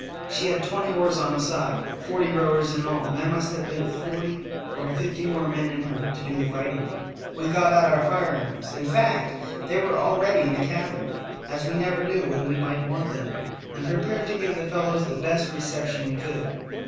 She had twenty oars on a side — forty rowers in all — and there must have been forty or fifty more men in her to do the fight ing. We got out our firearms — in fact, they were all ready in the cabin, as we never knew when we CHASED BY MALAY PIRATES. 267 might want them — and prepared to give the fel lows the best reception we could.